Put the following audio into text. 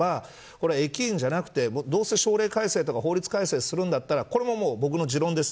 これは駅員じゃなくてどうせ省令改正とか法律改正をするんだったらこれは僕の持論です。